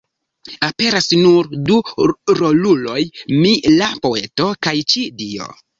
Aperas nur du roluloj: "mi", la poeto; kaj "ci", Dio.